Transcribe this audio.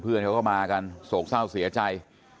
เพื่อนเขาก็มากันโศกเศร้าเสียใจ